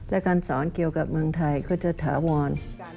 และการสอนเกี่ยวกับเมืองไทยก็จะถาวร